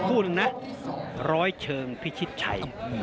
คู่หนึ่งนะร้อยเชิงพิชิตชัย